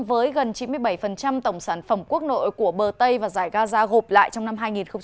với gần chín mươi bảy tổng sản phẩm quốc nội của bờ tây và giải gaza gộp lại trong năm hai nghìn hai mươi